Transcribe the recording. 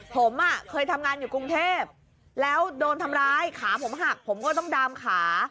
ผมเคยทำงานอยู่กรุงเทพแล้วโดนทำร้ายขาผมหักผมก็ต้องดามขา